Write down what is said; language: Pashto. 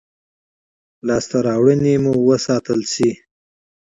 لاسته راوړنې مو وساتل شي.